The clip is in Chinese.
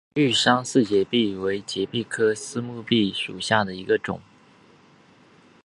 玉山四节蜱为节蜱科四节蜱属下的一个种。